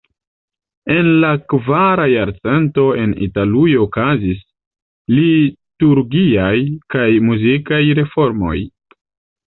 En la kvara jarcento en Italujo okazis liturgiaj kaj muzikaj reformoj.